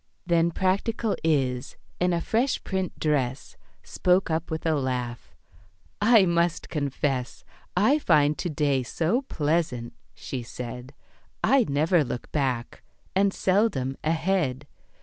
Then practical Is, in a fresh print dress, Spoke up with a laugh, "I must confess "I find to day so pleasant," she said, "I never look back, and seldom ahead.